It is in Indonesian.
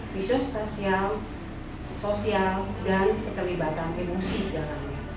visual spesial sosial dan keterlibatan emosi di dalamnya